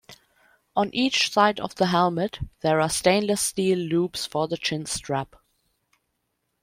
On each side of the helmet there are stainless steel loops for the chinstrap.